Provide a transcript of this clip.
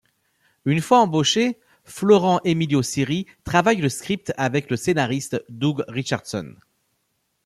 Une fois embauché, Florent Emilio Siri retravaille le script avec le scénariste Doug Richardson.